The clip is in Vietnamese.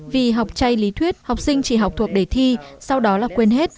vì học chay lý thuyết học sinh chỉ học thuộc đề thi sau đó là quên hết